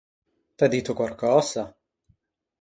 T’æ dito quarcösa?